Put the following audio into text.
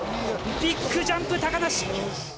ビッグジャンプ高梨！